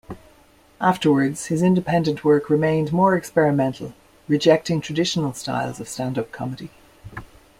Afterwards, his independent work remained more experimental, rejecting traditional styles of stand-up comedy.